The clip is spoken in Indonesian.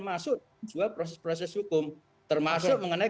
masuk ke dua proses proses hukum termasuk mengenai